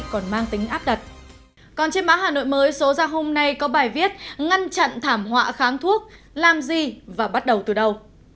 còn trên báo hà nội mới số ra hôm nay có bài viết ngăn chặn thảm họa kháng thuốc làm gì và bắt đầu từ đâu